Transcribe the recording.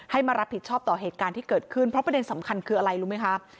มารับผิดชอบต่อเหตุการณ์ที่เกิดขึ้นเพราะประเด็นสำคัญคืออะไรรู้ไหมคะ